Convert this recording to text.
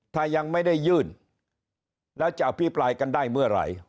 ถ้ายังไม่ได้ยื่นแล้วจะอภิปรายกันได้เมื่อไหร่